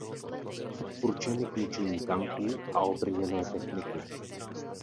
Určeny k ničení tanků a obrněné techniky.